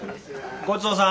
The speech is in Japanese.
ごちそうさん。